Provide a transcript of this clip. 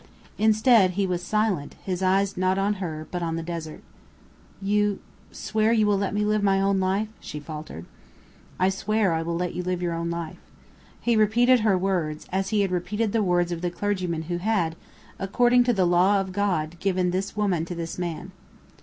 Instead, he was silent, his eyes not on her, but on the desert. "You swear you will let me live my own life?" she faltered. "I swear I will let you live your own life." He repeated her words, as he had repeated the words of the clergyman who had, according to the law of God, given "this woman to this man."